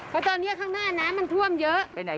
ไม่ได้เดี๋ยวแล้วนะครับ